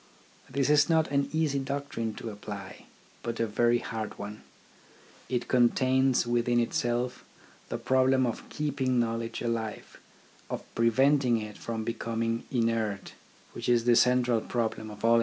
This is not an easy doctrine to apply, but a very hard one. It contains within itself the problem of keeping knowledge alive, of preventing it from becoming inert, which is the central problem of all education.